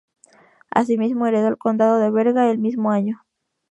Asimismo, heredó el condado de Berga el mismo año.